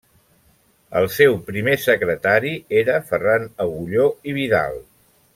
El seu primer secretari era Ferran Agulló i Vidal.